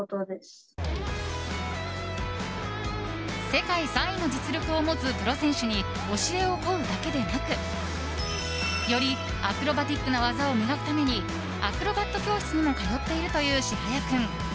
世界３位の実力を持つプロ選手に教えを乞うだけでなくよりアクロバティックな技を磨くためにアクロバット教室にも通っているというＳｈｉｈａｙａ君。